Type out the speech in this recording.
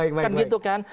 kan gitu kan